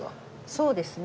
そうですね。